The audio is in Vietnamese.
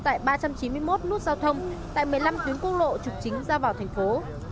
tại ba trăm chín mươi một nút giao thông tại một mươi năm tuyến quốc lộ trục chính ra vào thành phố